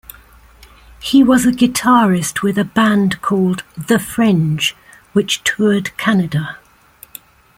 He was a guitarist with a band called "The Fringe", which toured Canada.